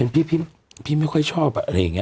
พี่ไม่ค่อยชอบอะไรอย่างนี้